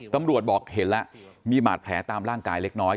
ตำรวจบอกเห็นแล้วมีบาดแผลตามร่างกายเล็กน้อย